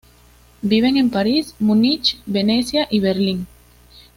Viven en París, Múnich, Venecia y Berlín.